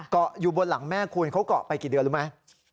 เกาะอยู่บนหลังแม่คุณเขาเกาะไปกี่เดือนรู้ไหม